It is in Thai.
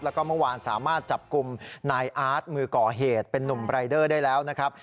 แล้วก็เมื่อวานสามารถจับกลุ่มนายอาร์ตมือก่อเหตุเป็นนุ่มรายเดอร์ได้แล้วนะครับ